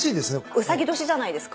うさぎ年じゃないですか。